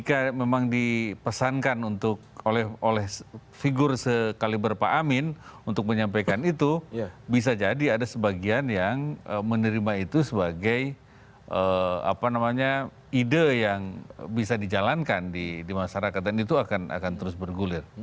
karena memang dipesankan untuk oleh figur sekaliber pak amin untuk menyampaikan itu bisa jadi ada sebagian yang menerima itu sebagai ide yang bisa dijalankan di masyarakat dan itu akan terus bergulir